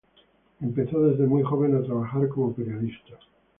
Empezó desde muy joven a trabajar como periodista.